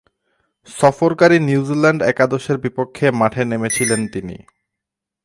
সফরকারী New Zealand একাদশের বিপক্ষে মাঠে নেমেছিলেন তিনি।